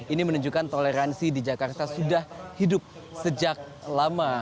ini menunjukkan toleransi di jakarta sudah hidup sejak lama